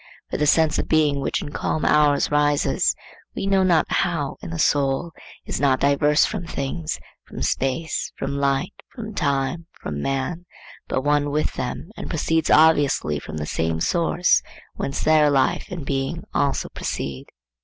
For the sense of being which in calm hours rises, we know not how, in the soul, is not diverse from things, from space, from light, from time, from man, but one with them and proceeds obviously from the same source whence their life and being also proceed.